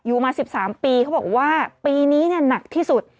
มา๑๓ปีเขาบอกว่าปีนี้หนักที่สุด